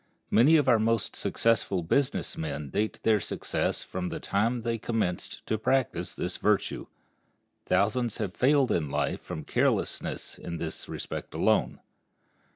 Many of our most successful business men date their success from the time they commenced to practice this virtue. Thousands have failed in life from carelessness in this respect alone.